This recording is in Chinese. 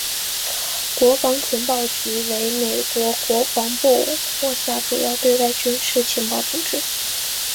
国防情报局为美国国防部辖下主要对外军事情报组织。